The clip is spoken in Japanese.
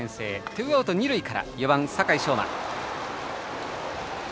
ツーアウト、二塁から４番、酒井成真。